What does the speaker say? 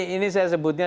ini saya sebutnya